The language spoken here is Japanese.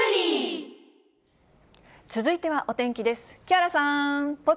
続いてはお天気です。